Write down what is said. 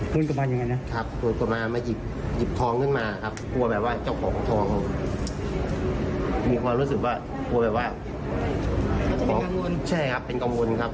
ทุกคนมาเงียบท้องขึ้นมาคุณกลัวเผื่อว่าเจ้าของมาใช้ท้อง